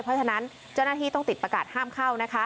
เพราะฉะนั้นเจ้าหน้าที่ต้องติดประกาศห้ามเข้านะคะ